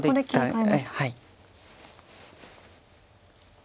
はい。